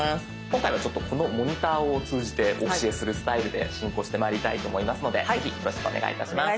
今回はこのモニターを通じてお教えするスタイルで進行してまいりたいと思いますのでぜひよろしくお願いいたします。